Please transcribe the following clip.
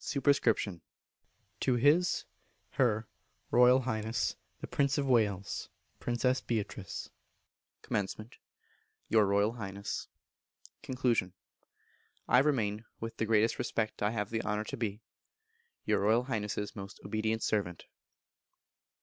_ To His (Her) Royal Highness the Prince of Wales (Princess Beatrice). Comm. Your Royal Highness. Con. I remain, with the greatest respect (I have the honour to be), your Royal Highness's most obedient servant.